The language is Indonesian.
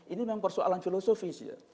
ini memang persoalan filosofis ya